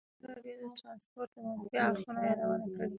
ازادي راډیو د ترانسپورټ د منفي اړخونو یادونه کړې.